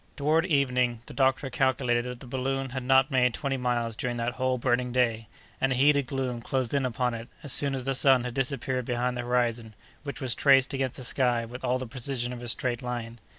Toward evening, the doctor calculated that the balloon had not made twenty miles during that whole burning day, and a heated gloom closed in upon it, as soon as the sun had disappeared behind the horizon, which was traced against the sky with all the precision of a straight line.